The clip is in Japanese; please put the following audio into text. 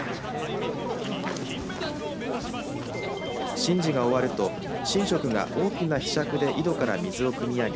神事が終わると神職が大きなひしゃくで井戸から水をくみ上げ